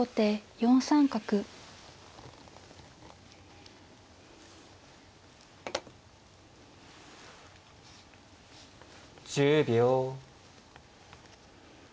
１０秒。